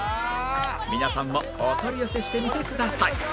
皆さんもお取り寄せしてみてください